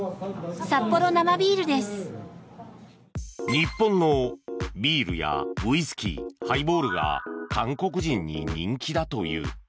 日本のビールやウイスキーハイボールが韓国人に人気だという。